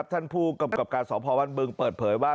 ท่านภูกรกรกรสอบพวันเบิงเปิดเผยว่า